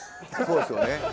そうですよね。